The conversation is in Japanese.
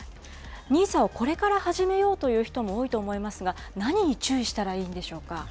ＮＩＳＡをこれから始めようという人も多いと思いますが、何に注意したらいいんでしょうか。